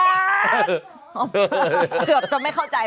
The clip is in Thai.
เกือบจะไม่เข้าใจ